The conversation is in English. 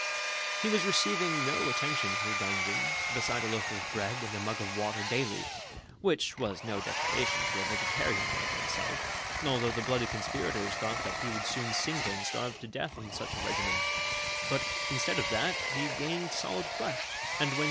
lie was receiving no attention in his dungeon beside a loaf of bread and a mug of water daily, which was no de privation to a vegetarian, like himself, although the bloody conspirators thought that he would soon sink and starve to death on such a regimen ; but, instead of that, he gained solid flesh, and when